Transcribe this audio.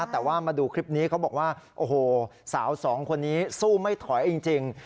แต่ว่ามาดูคลิปนี้เขาบอกว่าโอ้โหสาวสองคนนี้สู้ไม่ถอยจริง